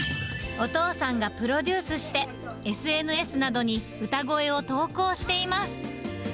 お父さんがプロデュースして、ＳＮＳなどに歌声を投稿しています。